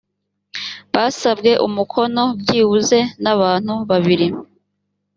basabwe umukono byibuze n abantu babiri